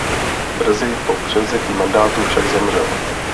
Brzy po převzetí mandátu však zemřel.